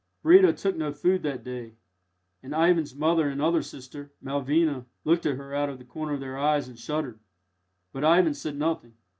Breda took no food that day, and Ivan's mother and other sister, Malvina, looked at her out of the corner of their eyes and shuddered. But Ivan said nothing.